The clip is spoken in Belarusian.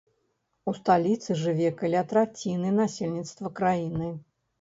У сталіцы жыве каля траціны насельніцтва краіны.